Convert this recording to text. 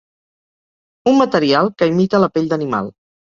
Un material que imita la pell d'animal.